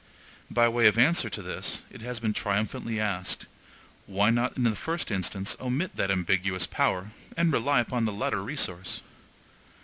By way of answer to this, it has been triumphantly asked, Why not in the first instance omit that ambiguous power, and rely upon the latter resource?